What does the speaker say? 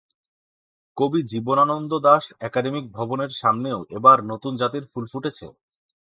কবি জীবনান্দ দাশ একাডেমিক ভবনের সামনেও এবার নতুন জাতের ফুল ফুটেছে।